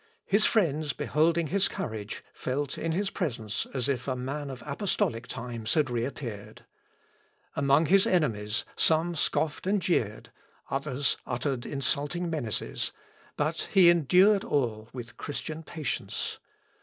His friends beholding his courage, felt in his presence as if a man of apostolic times had reappeared. Among his enemies, some scoffed and jeered; others uttered insulting menaces, but he endured all with Christian patience.